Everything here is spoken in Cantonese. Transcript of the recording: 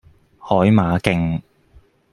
海馬徑